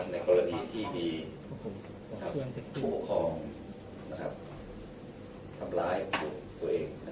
ในกรณีที่มีผู้ของทำร้ายกลุ่มตัวเอง